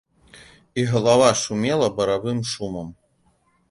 І галава шумела баравым шумам.